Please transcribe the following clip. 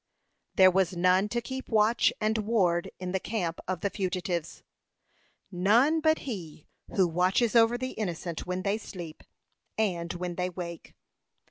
There was none to keep watch and ward in the camp of the fugitives none but He who watches over the innocent when they sleep and when they wake.